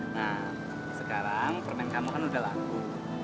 nah sekarang permen kamo kan udah laku